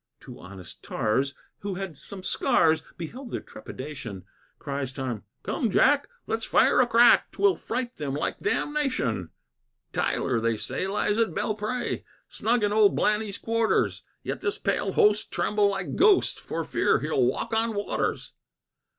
Two honest tars, who had some scars, Beheld their trepidation; Cries Tom, "Come, Jack, let's fire a crack; 'Twill fright them like damnation. "Tyler, they say, lies at Belpré, Snug in old Blanny's quarters; Yet this pale host tremble like ghosts For fear he'll walk on waters."